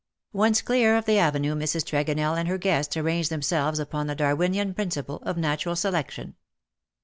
'^ Once clear of the avenue Mrs. Tregonell and her guests arranged themselves upon the Darwinian principle of natural selection.